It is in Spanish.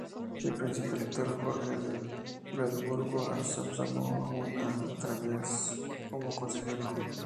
El príncipe elector Jorge de Brandeburgo-Ansbach lo llamó una y otra vez como consejero.